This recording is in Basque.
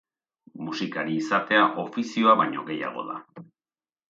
Musikari izatea ofizioa baino gehiago da.